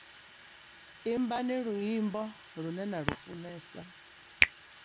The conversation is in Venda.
Imbani luimbo lune na lu funesa.